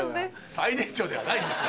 最年長ではないんですよ